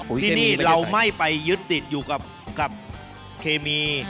ที่นี่เราไม่ไปยึดติดอยู่กับเคมี